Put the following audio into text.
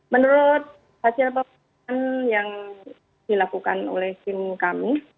menurut hasil pemeriksaan yang dilakukan oleh tim kami